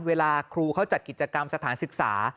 เวลาครูเขาจัดกิจกรรมสถานศึกษา